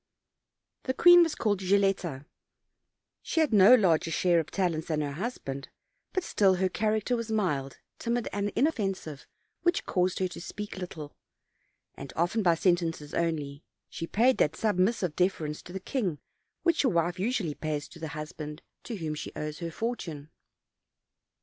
The queen was called Gilletta; she had no larger share of talents than her husband, but still her character was mild, timid and inoffensive, which caused her to speak little, and often by sentences only; she paid that sub missive deference to the king which a wife usually pays to the husband to whom she owes her fortune.